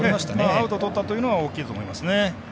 アウトとったというのは大きいと思います。